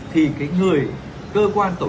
thì người cơ quan tổ chức